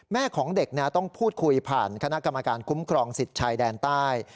แม่ของเด็กต้องพูดคุยผ่านคณะกรรมการคุ้มครองสิทธิ์ชายแดนใต้